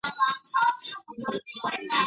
令他讶异的是她还活着